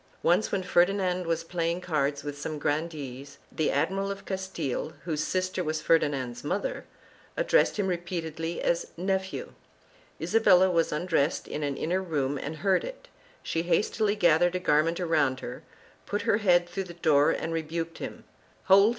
Once when Ferdinand was playing cards with some grandees, the Admiral of Castile, whose sister was Ferdinand's mother, addressed him repeatedly as " nephew"; Isabella was undressed in an inner room and heard it; she hastily gathered a garment around her, put her head through the door and rebuked him — "Hold!